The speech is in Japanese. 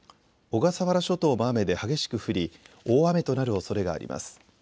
小笠原諸島も雨で激しく降り大雨となるおそれがあります。